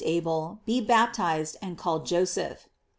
Abel; be baptized and called Joseph."